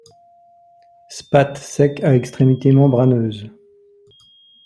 Spathe secs à extrémité membraneuse.